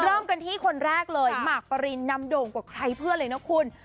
เริ่มกันที่คนแรกเลยหมากปรินนำโด่งกว่าใครเพื่อนเลยนะคุณ